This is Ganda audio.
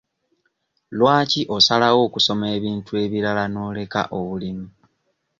Lwaki osalawo okusoma ebintu ebirala n'oleka obulimi?